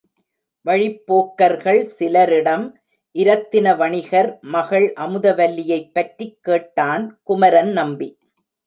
வழிப்போக்கர்கள் சிலரிடம் இரத்தின வணிகர் மகள் அமுதவல்லியைப் பற்றிக் கேட்டான் குமரன்நம்பி.